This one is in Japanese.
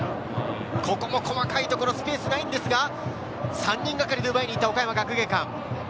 ここも細かいところ、スペースないんですが、３人がかりで奪いに行った、岡山学芸館。